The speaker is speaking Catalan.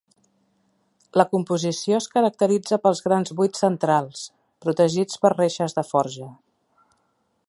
La composició es caracteritza pels grans buits centrals, protegits per reixes de forja.